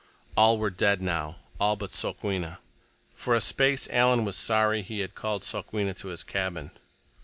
All were dead now, all but Sokwenna. For a space Alan was sorry he had called Sokwenna to his cabin.